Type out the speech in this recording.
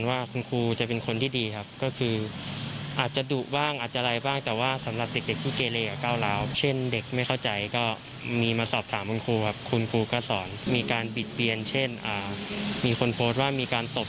ว่ามีการตบจนเลือดออกยังไม่มีครับ